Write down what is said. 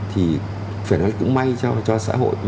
thì phải nói cũng may cho xã hội